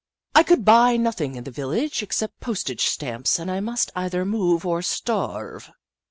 I could buy nothing in the village except postage stamps, and I must either move or starve.